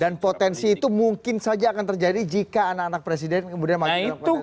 dan potensi itu mungkin saja akan terjadi jika anak anak presiden kemudian makin berkontestasi